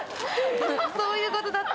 そういうことだった！